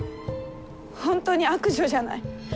本当に悪女じゃない。